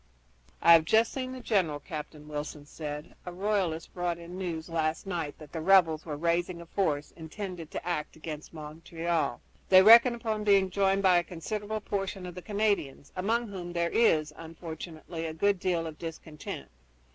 "I have just seen the general," Captain Wilson said. "A royalist brought in news last night that the rebels are raising a force intended to act against Montreal. They reckon upon being joined by a considerable portion of the Canadians, among whom there is, unfortunately, a good deal of discontent.